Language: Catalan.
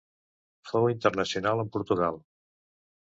Fou internacional amb Portugal.